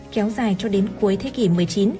kéo dài cho đến cuối thế kỷ một mươi chín